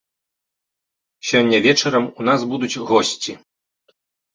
Сёння вечарам у нас будуць госці.